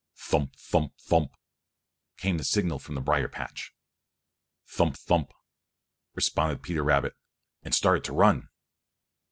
"Thump, thump, thump!" came the signal from the brier patch. "Thump, thump!" responded Peter Rabbit, and started to run.